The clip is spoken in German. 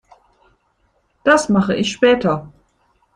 Das mache ich später.